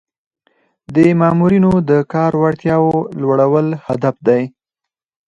د مامورینو د کاري وړتیاوو لوړول هدف دی.